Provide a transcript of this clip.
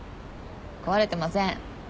壊れてません。